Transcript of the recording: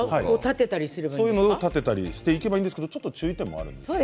そういうものを立てたりしていけばいいんですが注意点があるんですね。